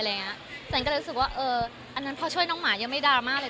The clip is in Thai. ฉันก็เลยรู้สึกว่าเอออันนั้นพอช่วยน้องหมายังไม่ดราม่าเลย